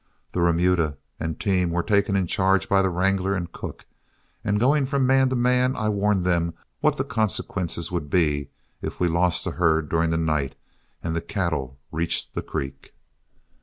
The remuda and team were taken in charge by the wrangler and cook, and going from man to man, I warned them what the consequences would be if we lost the herd during the night, and the cattle reached the creek.